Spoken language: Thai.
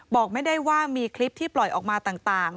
บอกไม่ได้ว่ามีคลิปที่ปล่อยออกมาต่าง